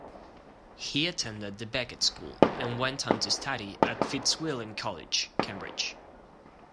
He attended The Becket School and went on to study at Fitzwilliam College, Cambridge.